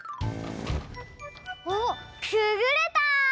おっくぐれた！